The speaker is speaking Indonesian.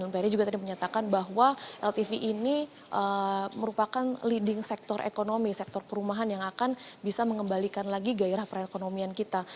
peri juga tadi menyatakan bahwa ltv ini merupakan leading sektor ekonomi sektor perumahan yang akan bisa mengembalikan lagi gairah perekonomian kita